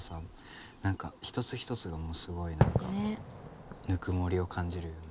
何か一つ一つがもうすごいぬくもりを感じるよね。